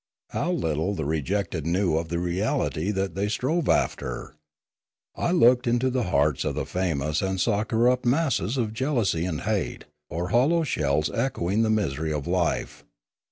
How little the rejected knew of the reality that they strove 16 242 Limanora after! I looked into the hearts of the famous and saw corrupt masses of jealousy and hate, or hollow shells echoing the misery of life.